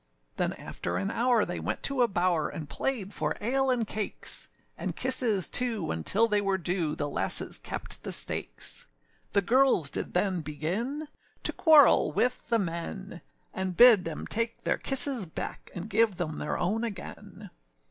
Then after an hour, they went to a bower, And played for ale and cakes; And kisses, too; âuntil they were due, The lasses kept the stakes: The girls did then begin To quarrel with the men; And bid âem take their kisses back, And give them their own again.